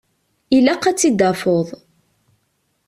Ilaq ad t-id-tafeḍ.